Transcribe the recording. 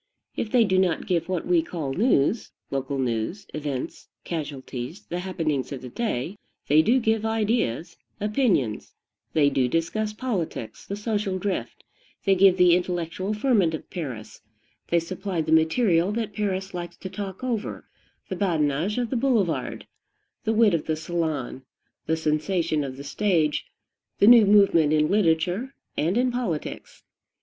If they do not give what we call news local news, events, casualties, the happenings of the day, they do give ideas, opinions; they do discuss politics, the social drift; they give the intellectual ferment of Paris; they supply the material that Paris likes to talk over, the badinage of the boulevard, the wit of the salon, the sensation of the stage, the new movement in literature and in politics.